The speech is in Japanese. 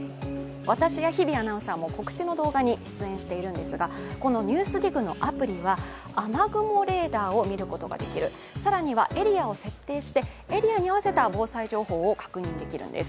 私や日比アナウンサーも告知の動画に参加しているんですが雨雲レーダーを見ることができる更にはエリアを設定してエリアに合わせた防災情報を確認できるんです。